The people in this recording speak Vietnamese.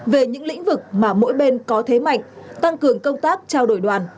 về những lĩnh vực mà mỗi bên có thế mạnh tăng cường công tác trao đổi đoàn